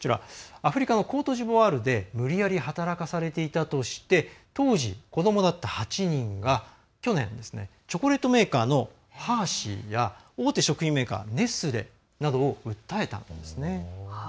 アフリカのコートジボワールで無理やり働かされていたとして当時、子どもだった８人が、去年チョコレートメーカーのハーシーや大手食品メーカー、ネスレなどを訴えたんですね。